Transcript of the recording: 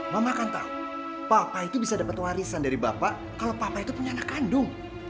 mama akan tahu papa itu bisa dapat warisan dari bapak kalau papa itu punya anak kandung